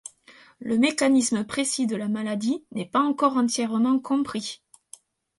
Le mécanisme précis de la maladie n'est pas encore entièrement compris.